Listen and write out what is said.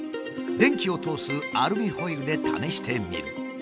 電気を通すアルミホイルで試してみる。